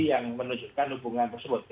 yang menunjukkan hubungan tersebut